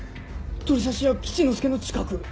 鳥刺し屋吉乃助の近く。